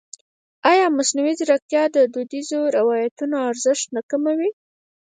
ایا مصنوعي ځیرکتیا د دودیزو روایتونو ارزښت نه کموي؟